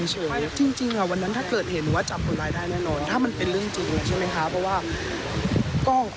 โดนภูมิอื่นของผู้เสียหายในทะวัลตัวและอะไรแบบนี้